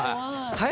はい？